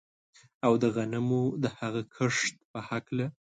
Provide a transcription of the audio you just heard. او د غنمو د هغه کښت په هکله